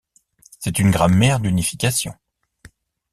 C'est une grammaire d'unification.